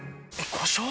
故障？